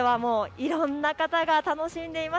いろんな方が楽しんでいます。